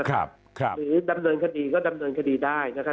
หรือดำเนินคดีก็ดำเนินคดีได้นะครับ